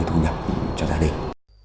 thu nhập cho gia đình